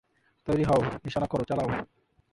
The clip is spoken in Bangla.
তৈরি হও, নিশানা করো, চালাও।